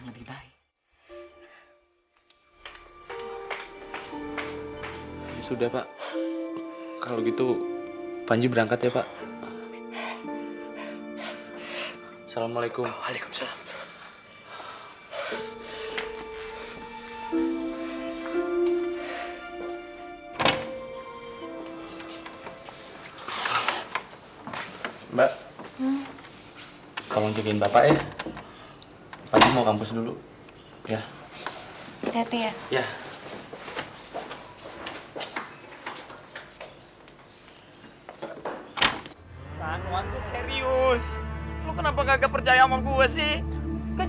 gw bisa ngeliat kalo dia bakalan dikroyek sama penjahat penjahat